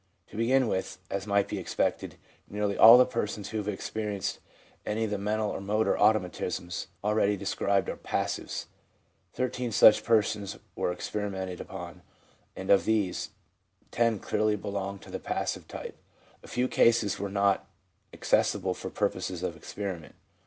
To begin with, as might be expected, nearly all the persons who have experienced any of the mental or motor auto matisms already described are " passives." Thirteen such persons were experimented upon, and of these 10 clearly belonged to the passive type. ... A few cases were not accessible for purposes of experiment.